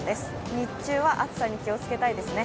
日中は暑さに気をつけたいですね。